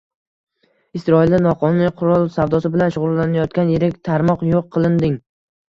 Isroilda noqonuniy qurol savdosi bilan shug‘ullanayotgan yirik tarmoq yo‘q qilinding